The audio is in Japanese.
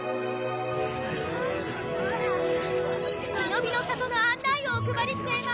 忍びの里の案内をお配りしていまーす。